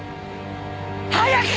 早く！